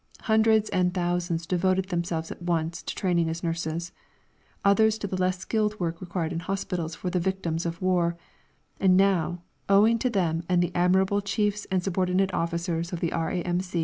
Hundreds and thousands devoted themselves at once to training as nurses, others to the less skilled work required in hospitals for the victims of war; and now, owing to them and the admirable chiefs and subordinate officers of the R.A.M.